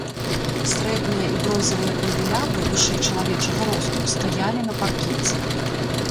Срэбныя і бронзавыя кандэлябры вышэй чалавечага росту стаялі на паркеце.